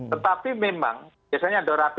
tetapi memang biasanya